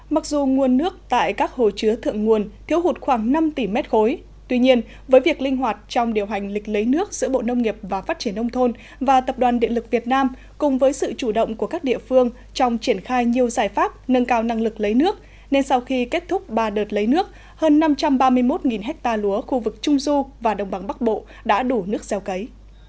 mặc dù nguồn nước tại các hồ chứa thượng nguồn thiếu hụt khoảng năm tỷ m ba tuy nhiên với việc linh hoạt trong điều hành lịch lấy nước giữa bộ nông nghiệp và phát triển nông thôn và tập đoàn điện lực việt nam cùng với sự chủ động của các địa phương trong triển khai nhiều giải pháp nâng cao năng lực lấy nước nên sau khi kết thúc ba đợt lấy nước hơn năm trăm ba mươi một ha lúa khu vực trung du và đồng bằng bắc bộ đã đủ nước gieo cấy